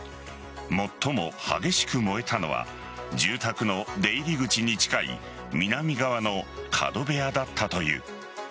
最も激しく燃えたのは住宅の出入り口に近い南側の角部屋だったという。